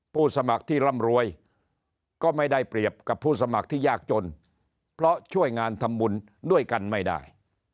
สมัครที่ร่ำรวยก็ไม่ได้เปรียบกับผู้สมัครที่ยากจนเพราะช่วยงานทำบุญด้วยกันไม่ได้